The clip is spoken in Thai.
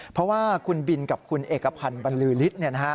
เพราะว่าคุณบินกับคุณเอกพันธ์บรรลือฤทธิ์